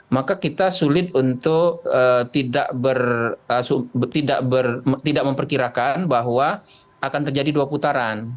maka kita sulit untuk tidak memperkirakan bahwa akan terjadi dua putaran